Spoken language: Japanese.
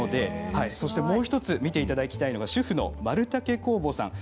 もう１つ見ていただきたいのがまるたけ工房さんです。